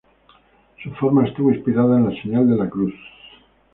Su forma estuvo inspirada en la señal de la cruz.